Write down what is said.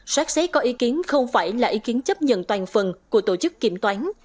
sát xế có ý kiến không phải là ý kiến chấp nhận toàn phần của tổ chức kiểm toán